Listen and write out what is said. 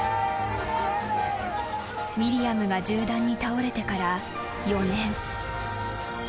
［ミリアムが銃弾に倒れてから４年］